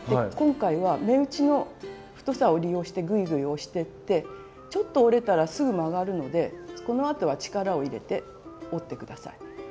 今回は目打ちの太さを利用してグイグイ押していってちょっと折れたらすぐ曲がるのでこのあとは力を入れて折って下さい。